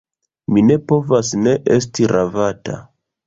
Mi ne povas ne esti ravata.